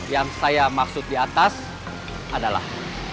yang saya maksud di atas adalah